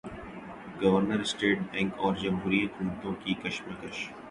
governor state bank اور جمہوری حکومتوں کی کشمکش